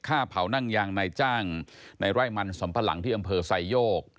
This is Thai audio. เผานั่งยางนายจ้างในไร่มันสำปะหลังที่อำเภอไซโยก